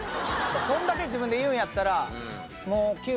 それだけ自分で言うんやったら。